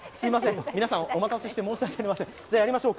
皆さん、お待たせして申しわけありません。